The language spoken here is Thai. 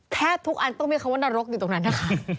แทบทุกอันต้องมีคำว่านรกอยู่ตรงนั้นนะคะ